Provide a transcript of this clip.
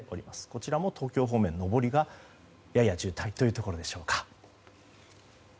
こちらも東京方面上りが、やや渋滞というところでしょうか。